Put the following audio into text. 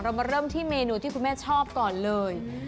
มาเริ่มที่เมนูที่คุณแม่ชอบก่อนเลย